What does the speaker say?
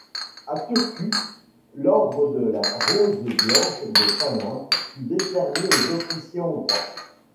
A Turku, l'Ordre de la Rose Blanche de Finlande fut décerné aux officiers hongrois.